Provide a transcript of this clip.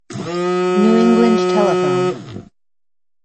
New England Telephone.